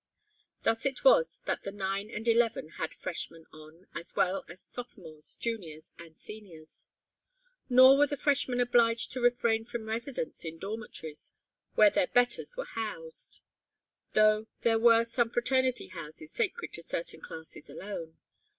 Thus it was that the nine and eleven had freshmen on, as well as sophomores, juniors and seniors. Nor were the freshmen obliged to refrain from residence in dormitories where their "betters" were housed, though there were some fraternity houses sacred to certain classes alone.